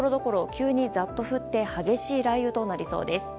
急にザッと降って激しい雷雨となりそうです。